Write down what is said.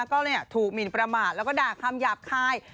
ก็เลยถูกหมินประมาทแล้วก็ด่าคำหยาบคาย